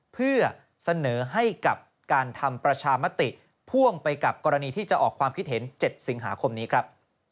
เพื่อเสนอให้กับการทำประชามติพ่วงไปกับกรณีที่จะออกความคิดเห็น๗สิงหาคมนี้ครับ